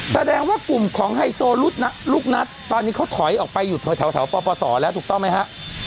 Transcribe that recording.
แสดงว่ากลุ่มของไฮโซลูกนัทตอนนี้เขาถอยออกไปอยู่แถวปปศแล้วถูกต้องไหมฮะ